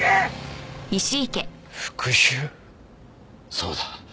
そうだ。